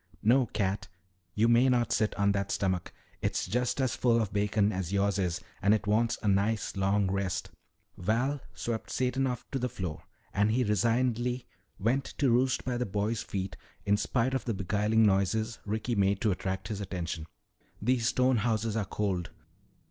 No, cat, you may not sit on that stomach. It's just as full of bacon as yours is and it wants a nice long rest." Val swept Satan off to the floor and he resignedly went to roost by the boy's feet in spite of the beguiling noises Ricky made to attract his attention. "These stone houses are cold."